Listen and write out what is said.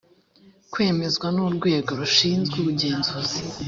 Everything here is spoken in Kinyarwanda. kwemezwa n urwego rushinzwe ubugenzuzi